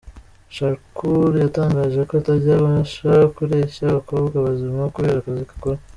Sharkur yatangaje ko atajya abasha kureshya abakobwa bazima, kubera akazi akora.